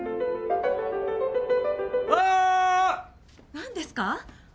何ですか？